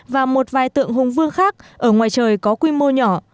và một vài tượng hùng vương khác ở ngoài trời có quy mô nhỏ